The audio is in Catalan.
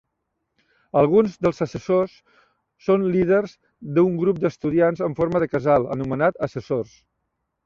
Alguns dels assessors són líders d'un grup d'estudiants en forma de casal, anomenats assessors.